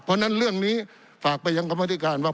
เพราะฉะนั้นเรื่องนี้ฝากไปยังกรรมธิการว่า